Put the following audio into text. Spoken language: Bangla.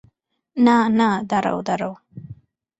না, না, দাঁড়াও, দাঁড়াও।